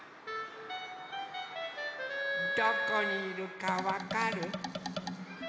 どこにいるかわかる？